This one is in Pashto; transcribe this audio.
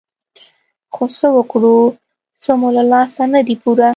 خو څه وکړو څه مو له لاسه نه دي پوره.